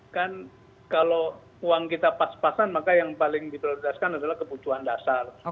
kan kalau uang kita pas pasan maka yang paling diprioritaskan adalah kebutuhan dasar